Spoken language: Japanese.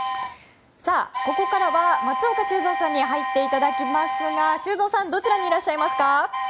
さあ、ここからは松岡修造さんに入っていただきますが修造さんどちらにいらっしゃいますか。